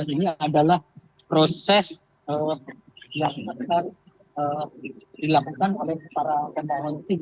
ini adalah proses yang akan dilakukan oleh para kendaraan sim